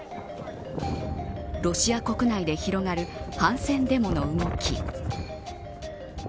ロシア国内で広がる反戦デモの動き。